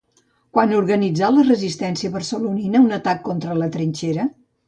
Quan organitzà la resistència barcelonina un atac contra la trinxera?